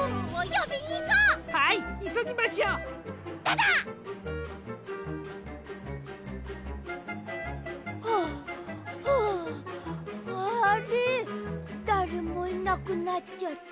だれもいなくなっちゃった。